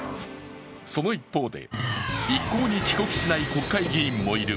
その一方で、一向に帰国しない国会議員もいる。